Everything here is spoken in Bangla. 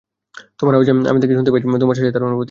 তোমার আওয়াজে আমি তাকে শুনতে পাই, তোমার শ্বাসে তার অনুভূতি।